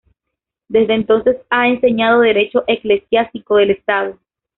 Desde entonces ha enseñado Derecho eclesiástico del Estado.